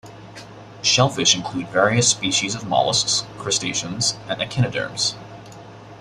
Shellfish include various species of molluscs, crustaceans, and echinoderms.